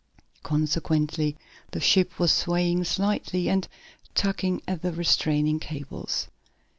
Consequently the ship was swaying slightly, and tugging at the restraining cables.